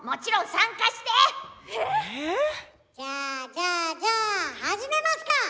じゃあじゃあ始めますか。